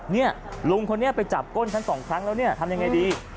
เนี้ยลุงคนนี้ไปจับก้นฉัน๒ครั้งแล้วทำยังไงดี